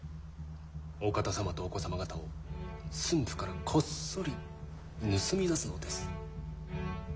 お方様とお子様方を駿府からこっそり盗み出すのです。